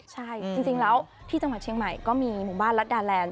ใช่จริงแล้วที่จังหวัดเชียงใหม่ก็มีหมู่บ้านรัฐดาแลนด